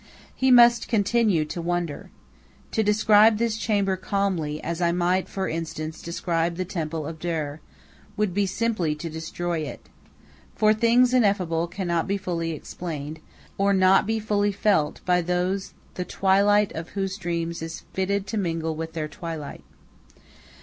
He must continue to wonder. To describe this chamber calmly, as I might, for instance, describe the temple of Derr, would be simply to destroy it. For things ineffable cannot be fully explained, or not be fully felt by those the twilight of whose dreams is fitted to mingle with their twilight.